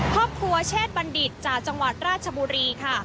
ครอบครัวเชษบัณฑิตจากจังหวัดราชบุรีค่ะ